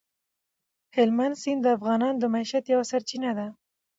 هلمند سیند د افغانانو د معیشت یوه سرچینه ده.